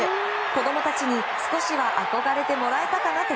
子供たちに少しは憧れてもらえたかなと